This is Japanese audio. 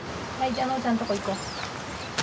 じゃあのちゃんとこ行こう。